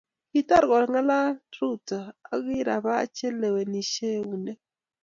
Kitar kongalal Ruto akirapach chelewenishei eunek